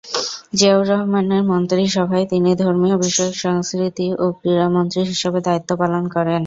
জিয়াউর রহমানের মন্ত্রিসভায় তিনি ধর্মীয় বিষয়ক, সংস্কৃতি ও ক্রীড়া মন্ত্রী হিসেবে দায়িত্ব পালন করেন।